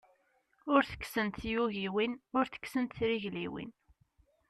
Ur tekksent tyugiwin, ur tekksent trigliwin.